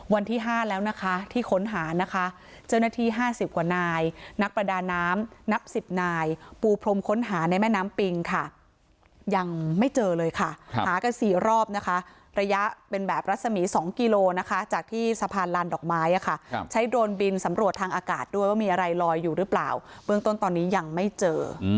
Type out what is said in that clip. วันที่๕แล้วนะคะที่ค้นหานะคะเจ้าหน้าที่๕๐กว่านายนักประดาน้ำนับสิบนายปูพรมค้นหาในแม่น้ำปิงค่ะยังไม่เจอเลยค่ะหากัน๔รอบนะคะระยะเป็นแบบรัศมี๒กิโลนะคะจากที่สะพานลานดอกไม้ใช้โดรนบินสำรวจทางอากาศด้วยว่ามีอะไรลอยอยู่หรือเปล่าเบื้องต้นตอนนี้ยังไม่เจอ